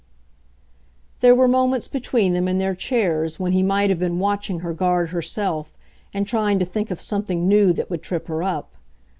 There were moments between them, in their chairs, when he might have been watching her guard herself and trying to think of something new that would trip her up.